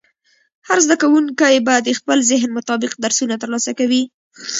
هر زده کوونکی به د خپل ذهن مطابق درسونه ترلاسه کوي.